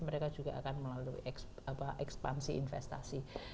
mereka juga akan melalui ekspansi investasi